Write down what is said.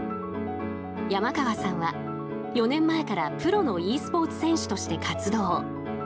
山川さんは４年前からプロのｅスポーツ選手として活動。